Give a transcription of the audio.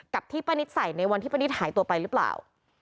ที่ป้านิตใส่ในวันที่ป้านิตหายตัวไปหรือเปล่า